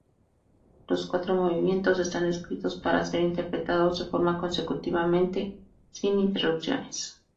Los cuatro movimientos están escritos para ser interpretados de forma consecutivamente sin interrupciones.